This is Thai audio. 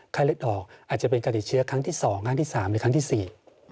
เลือดออกอาจจะเป็นการติดเชื้อครั้งที่สองครั้งที่สามหรือครั้งที่สี่